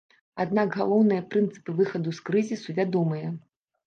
Аднак галоўныя прынцыпы выхаду з крызісу вядомыя.